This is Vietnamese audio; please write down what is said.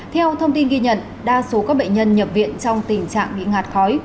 theo thông tin ghi nhận đa số các bệnh nhân nhập viện trong tình trạng bị ngạt khói